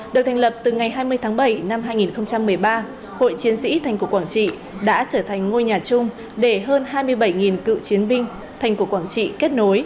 được thành lập từ ngày hai mươi tháng bảy năm hai nghìn một mươi ba hội chiến sĩ thành cổ quảng trị đã trở thành ngôi nhà chung để hơn hai mươi bảy cựu chiến binh thành cổ quảng trị kết nối